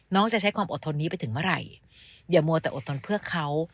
จะใช้ความอดทนนี้ไปถึงเมื่อไหร่อย่ามัวแต่อดทนเพื่อเขา